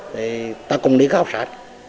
thì ta cùng đi khảo sát